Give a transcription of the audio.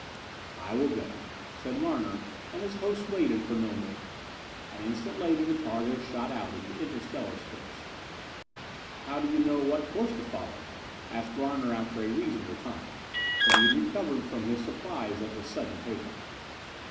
"I will go," said Larner, and his hosts waited for no more. An instant later the targo shot out into interstellar space. "How do you know what course to follow?" asked Larner after a reasonable time, when he had recovered from his surprise at the sudden take off.